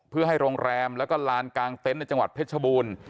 เพื่อให้โรงแรมแล้วก็ลานกลางเต็นต์ในจังหวัดเพชรบูรณ์